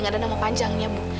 gak ada nama panjangnya bu